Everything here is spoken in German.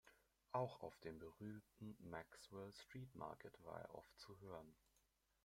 Auch auf dem berühmten Maxwell Street Market war er oft zu hören.